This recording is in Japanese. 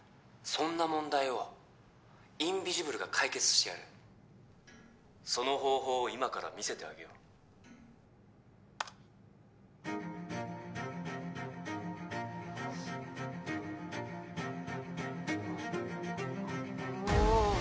そんな問題をインビジブルが解決してやるその方法を今から見せてあげようううっ